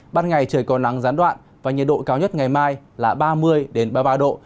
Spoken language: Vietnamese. ban ngày trời có nắng gián đoạn và nhiệt độ cao nhất ngày mai là ba mươi ba mươi ba độ